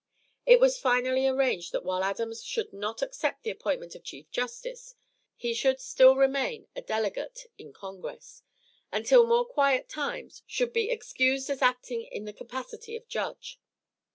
It was finally arranged that while Adams should accept the appointment of Chief Justice, he should still remain a delegate in Congress, and till more quiet times should be excused as acting in the capacity of judge.